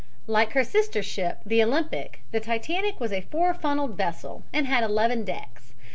Like her sister ship, the Olympic, the Titanic was a four funneled vessel, and had eleven decks.